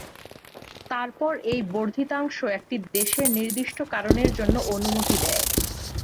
তারপর এই বর্ধিতাংশ একটি দেশের নির্দিষ্ট কারণের জন্য অনুমতি দেয়।